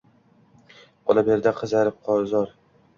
Qola berdi chirqirab zor